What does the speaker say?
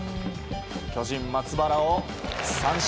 巨人、松原を三振。